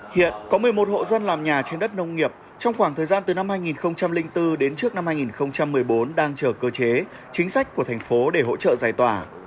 hiện có một mươi một hộ dân làm nhà trên đất nông nghiệp trong khoảng thời gian từ năm hai nghìn bốn đến trước năm hai nghìn một mươi bốn đang chờ cơ chế chính sách của thành phố để hỗ trợ giải tỏa